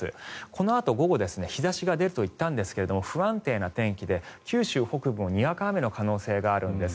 このあと午後日差しが出ると言ったんですが不安定な天気で、九州北部もにわか雨の可能性があるんです。